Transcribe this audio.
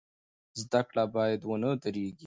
زده کړه باید ونه دریږي.